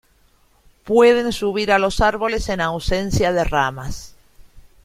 Pueden subir a los árboles en ausencia de ramas.